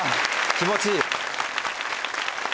気持ちいい！